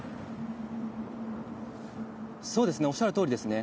そうですね、おっしゃるとおりですね。